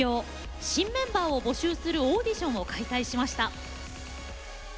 新メンバーを募集するオーディションを開催しました。